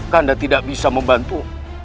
kanda tidak bisa membantu